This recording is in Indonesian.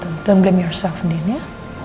jangan salah dirimu sendiri ya